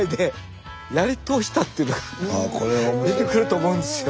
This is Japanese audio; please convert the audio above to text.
あこれは出てくると思うんですよ。